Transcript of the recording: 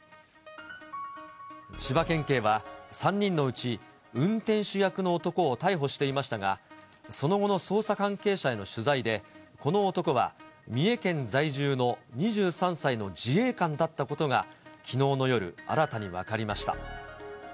千葉県警は、３人のうち運転手役の男を逮捕していましたが、その後の捜査関係者への取材で、この男は、三重県在住の２３歳の自衛官だったことがきのうの夜、新たに分かりました。